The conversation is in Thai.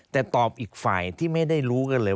แต่ตอบอีกฝ่ายที่ไม่ได้รู้กันเลย